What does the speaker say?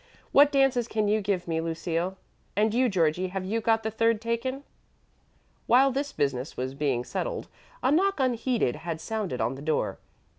"What dances can you give me, Lucille? And you, Georgie, have you got the third taken?" While this business was being settled, a knock unheeded had sounded on the door.